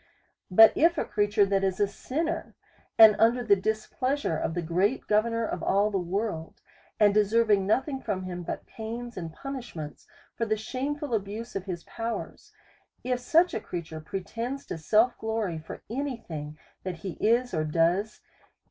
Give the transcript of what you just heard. But if a creature that is a sinner, and under the dis pleasure of the great governor of all the world, and deserving nothing from him, but pains and punish ments for the shameful abuse of his powers ; if such a creature pretends to self glory for any thing that he i.s, or docs, he ca!